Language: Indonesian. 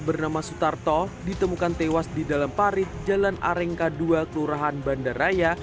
bernama sutarto ditemukan tewas di dalam parit jalan areng k dua kelurahan bandaraya